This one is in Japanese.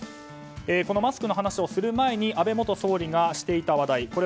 このマスクの話をする前に安倍元総理がしていた話題。